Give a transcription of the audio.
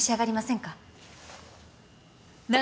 何？